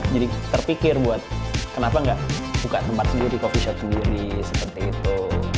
jadi terpikir buat kenapa nggak buka tempat sendiri coffee shop sendiri seperti itu